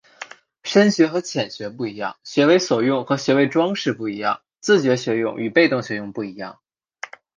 深学与浅学不一样、学为所用与学为‘装饰’不一样、自觉学用与被动学用不一样